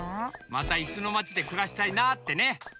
またいすのまちでくらしたいなってね。